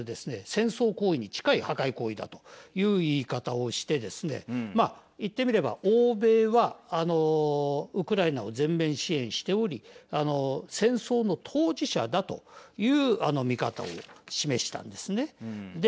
戦争行為に近い破壊行為だという言い方をしてですね言ってみれば、欧米はウクライナを全面支援しており戦争の当事者だという見方を示したんですね。